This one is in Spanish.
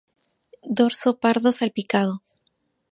Dorso pardo salpicado.